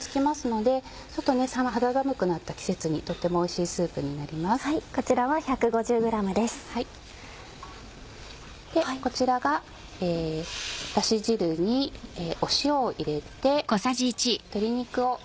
でこちらがだし汁に塩を入れて鶏肉を。